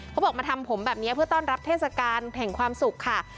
เขาบอกมาทำผมแบบนี้เพื่อต้อนรับเทศกาลแห่งความสุขค่ะ